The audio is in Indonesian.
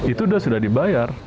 itu sudah dibayar